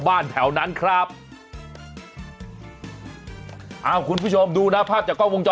เบิร์ตลมเสียโอ้โห